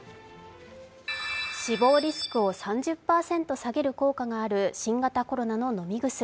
死亡リスクを３０％下げる効果がある新型コロナの飲み薬。